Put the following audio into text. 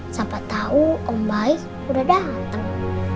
siapa tau om baik udah dateng